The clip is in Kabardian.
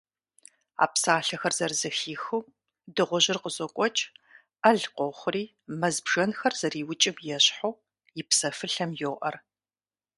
А псалъэхэр зэрызэхихыу, дыгъужьыр къызокӀуэкӀ, Ӏэл къохъури мэз бжэнхэр зэриукӀым ещхьу, и псэфылъэм йоӀэр.